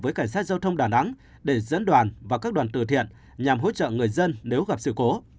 với cảnh sát giao thông đà nẵng để dẫn đoàn và các đoàn từ thiện nhằm hỗ trợ người dân nếu gặp sự cố